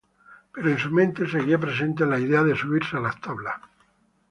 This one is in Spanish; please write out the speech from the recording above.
Pero en su mente seguía presente la idea de subirse a las tablas.